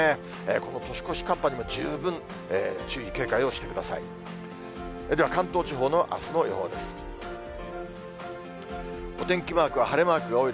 この年越し寒波にも十分注意、警戒をしてください。